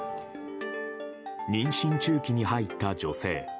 妊娠中期に入った女性。